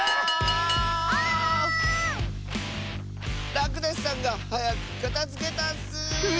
らくだしさんがはやくかたづけたッス！